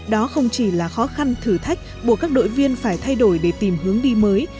đó không chỉ là khó khăn thử thách buộc các đội viên phải thay đổi để tìm hướng đi mới